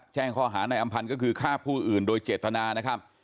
แจ้งข้อหาในอำพันธ์ก็คือฆ่าผู้อื่นโดยเจตนานะครับ